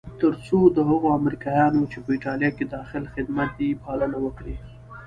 تر څو د هغو امریکایانو چې په ایټالیا کې داخل خدمت دي پالنه وکړي.